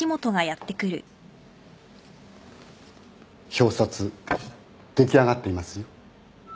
表札出来上がっていますよ。